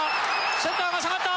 センターが下がった！